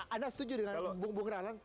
anda setuju dengan bung rallang